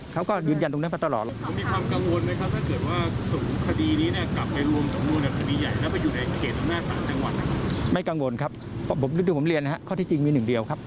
เขาก็ยืนยันตรงนั้นมาตลอด